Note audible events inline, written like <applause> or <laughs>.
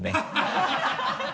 ハハハ <laughs>